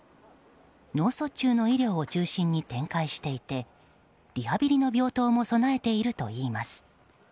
脳卒中の医療を中心に展開していてリハビリの病棟も備えているといいます。